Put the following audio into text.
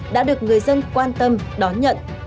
đã được người dân quan tâm đón nhận